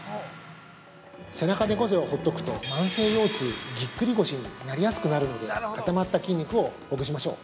◆背中猫背をほっとくと慢性腰痛、ぎっくり腰になりやすくなるので固まった筋肉をほぐしましょう。